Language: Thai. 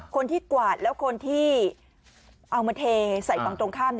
คนที่กวาดและคนที่เอามาเททใส่ฝั่งตรงข้าม